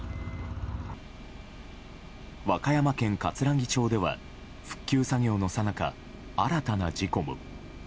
和歌山県かつらぎ町では復旧作業のさなか新たな事故も。